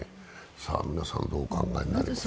皆さんどうお考えになりますか？